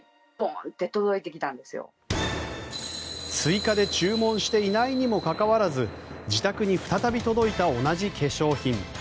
追加で注文していないにもかかわらず自宅に再び届いた同じ化粧品。